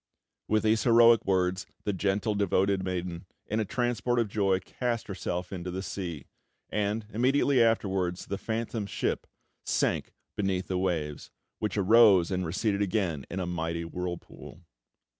With these heroic words, the gentle, devoted maiden, in a transport of joy, cast herself into the sea; and, immediately afterwards, the phantom ship sank beneath the waves, which arose and receded again in a mighty whirlpool.